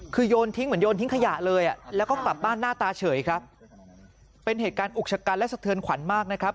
คือโยนทิ้งเหมือนโยนทิ้งขยะเลยอ่ะแล้วก็กลับบ้านหน้าตาเฉยครับเป็นเหตุการณ์อุกชะกันและสะเทือนขวัญมากนะครับ